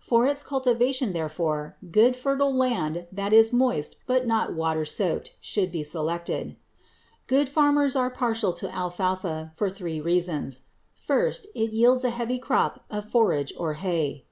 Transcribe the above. For its cultivation, therefore, good fertile land that is moist but not water soaked should be selected. Good farmers are partial to alfalfa for three reasons. First, it yields a heavy crop of forage or hay.